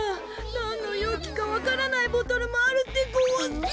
なんのようきかわからないボトルもあるでごわす！